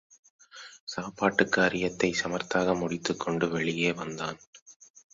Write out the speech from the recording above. சாப்பாட்டுக் காரியத்தை சமர்த்தாக முடித்துக் கொண்டு வெளியே வந்தான்.